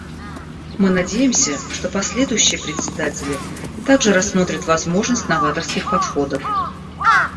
Мы надеемся, что последующие председатели также рассмотрят возможность новаторских подходов.